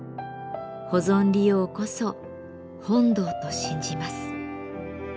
保存利用こそ本道と信じます」。